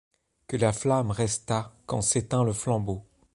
Que la flamme restât quand s’éteint le flambeau